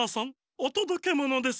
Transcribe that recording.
おとどけものです！